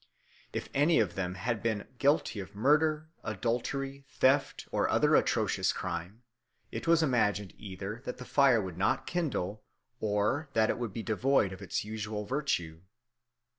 If any of them had been guilty of murder, adultery, theft, or other atrocious crime, it was imagined either that the fire would not kindle, or that it would be devoid of its usual virtue.